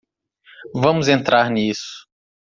Vamos entrar nisso.